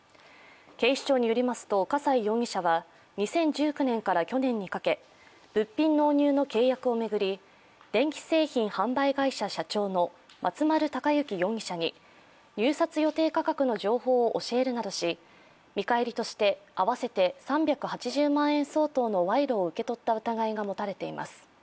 警視庁によりますと、笠井容疑者は２０１９年から去年にかけ物品納入の契約を巡り、電気製品販売会社社長の松丸隆行容疑者に入札予定価格の情報を教えるなどし見返りとして合わせて３８０万円相当の賄賂を受け取った疑いが持たれています。